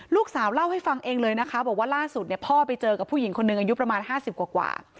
ลูกสาวเล่าให้ฟังเองเลยนะคะบอกว่าล่าสุดเนี่ยพ่อไปเจอกับผู้หญิงคนหนึ่งอายุประมาณ๕๐กว่า